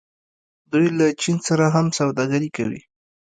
دوی له چین سره هم سوداګري کوي.